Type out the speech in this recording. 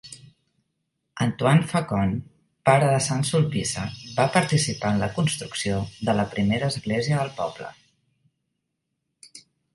Antoine Faucon, pare de Saint-Sulpice, va participar en la construcció de la primera església del poble.